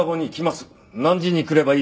何時に来ればいいですか？